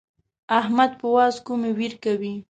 احمد په واز کومې وير کوي.